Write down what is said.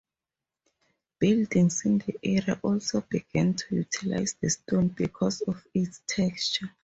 Buildings in the area also began to utilize the stone because of its texture.